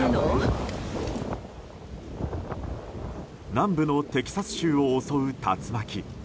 南部のテキサス州を襲う竜巻。